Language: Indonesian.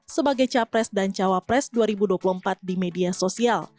sebagai capres dan cawapres dua ribu dua puluh empat di media sosial